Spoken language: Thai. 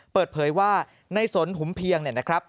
เปิดเผยว่าในสนหุมเพียงเนี่ยนะครับ